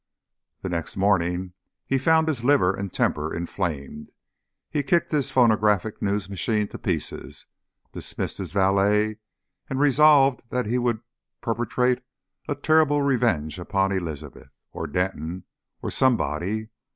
The next morning found his liver and temper inflamed. He kicked his phonographic news machine to pieces, dismissed his valet, and resolved that he would perpetrate a terrible revenge upon Elizabeth. Or Denton. Or somebody.